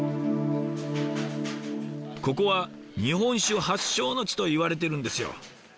ここは日本酒発祥の地といわれてるんですよ。